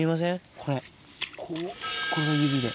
これこれが指で。